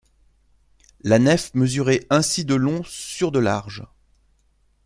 La nef mesurerait ainsi de long sur de large.